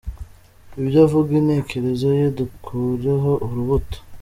Ibyo avuga, intekerezo ye, dukureho urubuto.